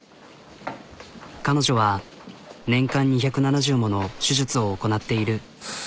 彼女は年間２７０もの手術を行なっている。